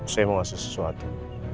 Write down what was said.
saya mau ngasih sesuatu